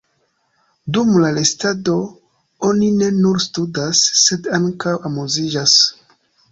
Dum la restado, oni ne nur studas, sed ankaŭ amuziĝas.